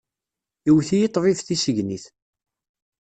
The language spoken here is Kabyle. Iwet-iyi ṭṭbib tissegnit.